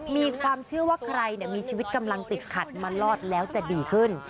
มีความเชื่อว่าใครมีชีวิตกำลังติดขัดมารอดแล้วจะดีขึ้น